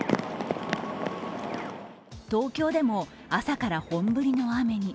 東京でも朝から本降りの雨に。